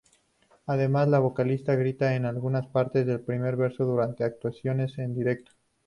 Además, el vocalista grita en algunas partes del primer verso durante actuaciones en directo.